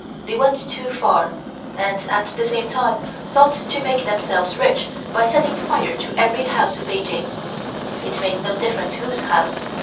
They went too far, and at the same time thought to make themselves rich by setting fire to every house in Peking. It made no difference whose house.